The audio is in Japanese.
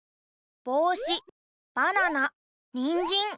ぼうしばななにんじん。